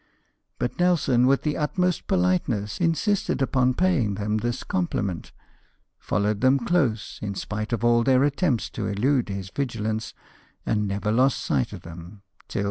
But Nelson, with the utmost polite ness, insisted upon paying them this compliment, followed them close, in spite of all their attempts to elude his vigilance, and never lost sight of them, till.